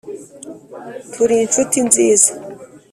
turi inshuti nziza,